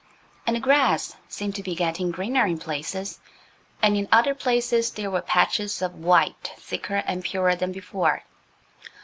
And the grass seemed to be getting greener in places. And in other places there were patches of white thicker and purer than before.